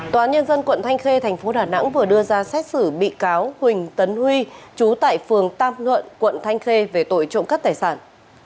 tòa nhân dân quận thanh khê thành phố đà nẵng vừa đưa ra xét xử bị cáo huỳnh tấn huy chú tại phường tam nhuận quận thanh khê về tội trộm cắt tài sản